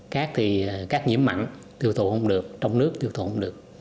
cát thì cát nhiễm mặn tiêu thụ không được trong nước tiêu thụ không được